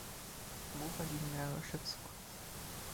Am Ufer liegen mehrere Schiffswracks.